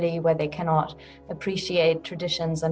di mana mereka tidak bisa menghargai tradisi dan budaya